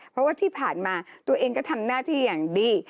เพราะว่าที่ผ่านมาตัวเองก็ทำหน้าที่อย่างดี